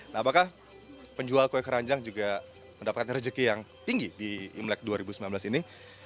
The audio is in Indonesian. nah apakah penjual kue keranjang juga mendapatkan rezeki yang tinggi di imlek dua ribu sembilan belas ini